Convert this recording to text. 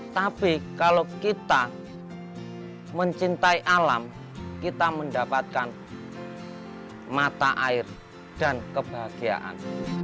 tapi kalau kita mencintai alam kita mendapatkan mata air dan kebahagiaan